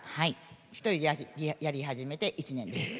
１人でやり始めて１年です。